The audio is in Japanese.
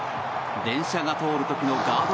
電車が通る時のガード